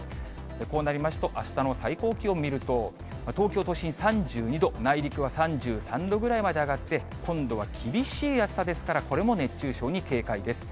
こうなりますと、あしたの最高気温を見ると、東京都心３２度、内陸は３３度ぐらいまで上がって、今度は厳しい暑さですから、これも熱中症に警戒です。